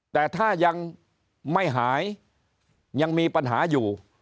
แต่ถ้ายังไม่หายยังมีปัญหาอยู่